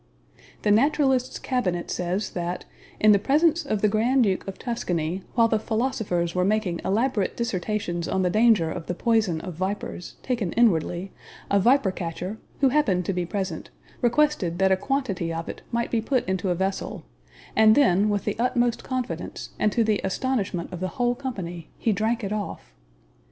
The Naturalist's Cabinet says, that "In presence of the Grand Duke of Tuscany, while the philosophers were making elaborate dissertations on the danger of the poison of vipers, taken inwardly, a viper catcher, who happened to be present, requested that a quantity of it might be put into a vessel; and then, with the utmost confidence, and to the astonishment of the whole company, he drank it off.